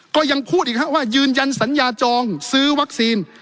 ก็ยังพูดอีกว่ายืนยันสัญญาจองซื้อวัคซีน